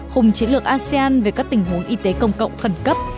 khung chiến lược asean về các tình huống y tế công cộng khẩn cấp